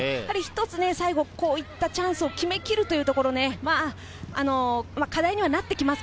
最後、こういったチャンスを決め切るというのが、課題になってきます。